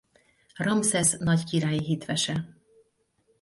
Ramszesz nagy királyi hitvese.